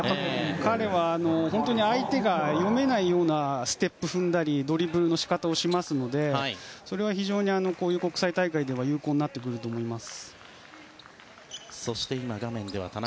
彼は、本当に相手が読めないようなステップを踏んだりドリブルの仕方をしますのでそれは非常にこういう国際大会では有効になってきます。